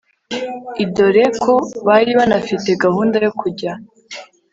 i dore ko bari banafite gahunda yo kujya